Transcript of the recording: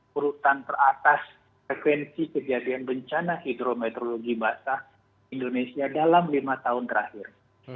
urutan teratas frekuensi kejadian bencana hidrometeorologi basah indonesia dalam lima tahun terakhir